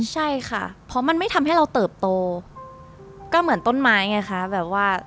ใช่ค่ะเพราะมันไม่ทำให้เราเติบโตก็เหมือนต้นไม้ไงคะแบบว่า